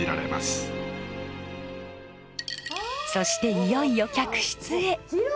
そしていよいよ客室へ。